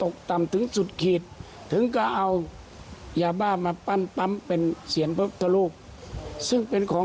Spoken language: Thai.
ลองฟังท่านเองฮะ